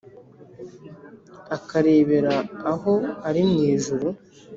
akarebera aho ari mu ijuru.